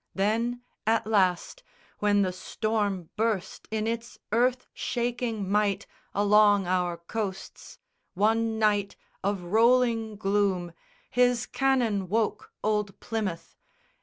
Then, at last, When the storm burst in its earth shaking might Along our coasts, one night of rolling gloom His cannon woke old Plymouth.